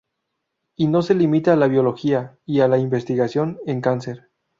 Y no se limita a la biología y a la investigación en cáncer.